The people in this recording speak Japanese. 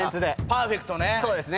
パーフェクトね。